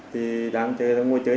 thì đang chơi là mỗi chơi